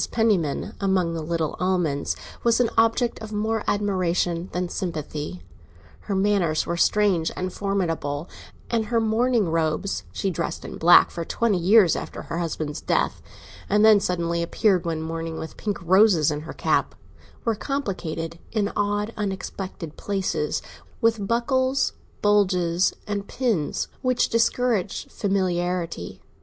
Penniman, among the little Almonds, was an object of more admiration than sympathy. Her manners were strange and formidable, and her mourning robes—she dressed in black for twenty years after her husband's death, and then suddenly appeared one morning with pink roses in her cap—were complicated in odd, unexpected places with buckles, bugles, and pins, which discouraged familiarity.